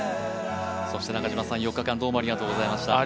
中嶋さん、４日間どうもありがとうございました。